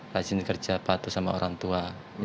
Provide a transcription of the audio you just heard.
rajin kerja patuh sama orang tua